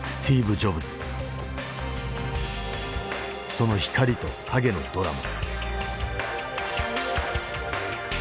その光と影のドラマ。